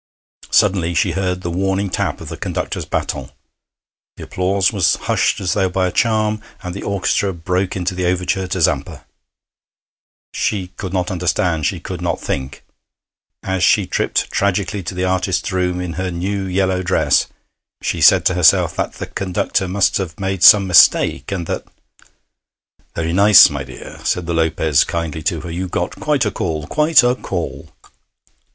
Suddenly she heard the warning tap of the conductor's baton; the applause was hushed as though by a charm, and the orchestra broke into the overture to 'Zampa.' She could not understand, she could not think. As she tripped tragically to the artists' room in her new yellow dress she said to herself that the conductor must have made some mistake, and that 'Very nice, my dear,' said the Lopez kindly to her. 'You got quite a call quite a call.'